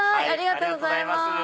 ありがとうございます。